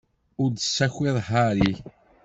Ur d-tessakiḍ Harry.